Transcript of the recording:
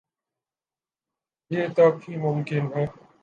یہ تب ہی ممکن ہے۔